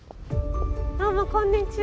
どうもこんにちは。